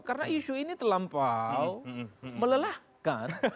karena isu ini terlampau melelahkan